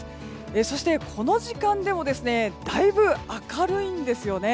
そして、この時間でもだいぶ明るいんですよね。